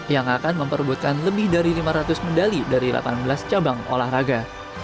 yang akan memperbutkan lebih dari lima ratus medali dari delapan belas cabang olahraga